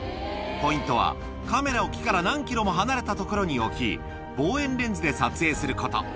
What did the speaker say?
ポイントは、カメラを木から何キロも離れた所に置き、望遠レンズで撮影すること。